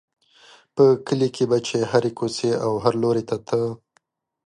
په کلي کې به چې هرې کوڅې او هر لوري ته ته.